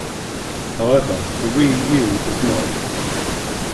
However, the Wii U does not.